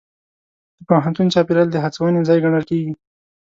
د پوهنتون چاپېریال د هڅونې ځای ګڼل کېږي.